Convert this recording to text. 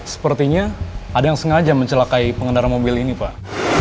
sepertinya ada yang sengaja mencelakai pengendara mobil ini pak